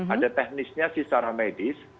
ada teknisnya si sarah medis